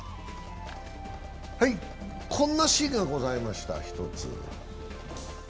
こんなシーンがございました。